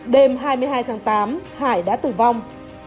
đêm hai mươi hai tháng tám hải đã tử vong